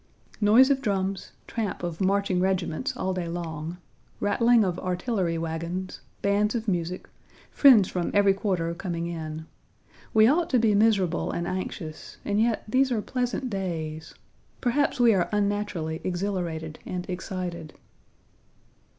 Noise of drums, tramp of marching regiments all day long; rattling of artillery wagons, bands of music, friends from every quarter coming in. We ought to be miserable and anxious, and yet these are pleasant days. Perhaps we are unnaturally exhilarated and excited.